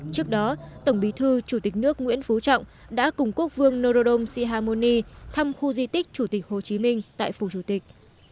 trước đó tổng bí thư chủ tịch nước nguyễn phú trọng đã cùng quốc vương norodom sihamoni thăm khu di tích chủ tịch hồ chí minh tại phủ chủ tịch